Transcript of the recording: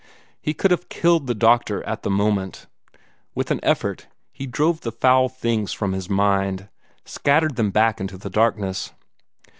He could have killed the doctor at that moment. With an effort, he drove the foul things from his mind scattered them back into the darkness.